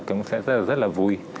cũng sẽ rất là vui